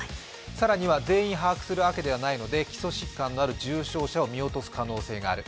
更には全員把握するわけではないので基礎疾患のある重症者を見落とす可能性がある。